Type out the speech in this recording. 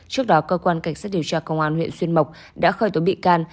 trước đó cơ quan cảnh sát điều tra công an huyện xuyên mộc đã khởi tố bị can